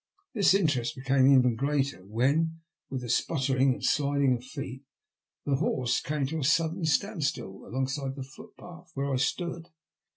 This interest became even greater when, with a spluttering and sliding of feet, the horse came to a sudden standstill alongside the footpath where I stood.